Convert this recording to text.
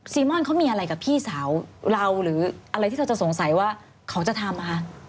ม่อนเขามีอะไรกับพี่สาวเราหรืออะไรที่เราจะสงสัยว่าเขาจะทำนะคะ